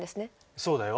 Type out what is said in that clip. そうだよ。